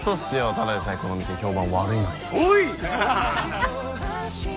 ただでさえこの店評判悪いのにおい！